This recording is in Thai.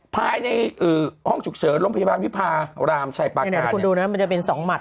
ภายในห้องฉุกเฉินโรงพยาบาลวิพารามชายปางเนี่ยคุณดูนะมันจะเป็นสองหมัด